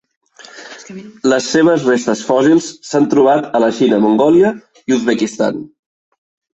Les seves restes fòssils s'han trobat a la Xina, Mongòlia i Uzbekistan.